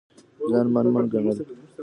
ځان من من ګڼل